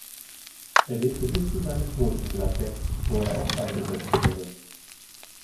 Er lebte bis zu seinem Tod in Gladbeck, wo er auch beigesetzt wurde.